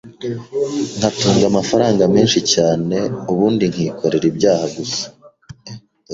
nkatunga amafaranga menshi cyane ubundi nkikorera ibyaha gusa